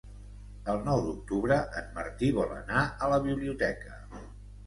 El nou d'octubre en Martí vol anar a la biblioteca.